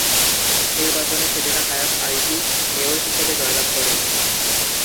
নির্বাচনে সেলিনা হায়াৎ আইভি মেয়র হিসেবে জয়লাভ করেন।